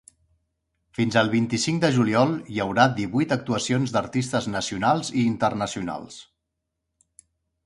Fins al vint-i-cinc de juliol, hi haurà divuit actuacions d’artistes nacionals i internacionals.